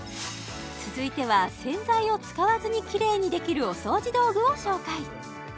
続いては洗剤を使わずにキレイにできるお掃除道具を紹介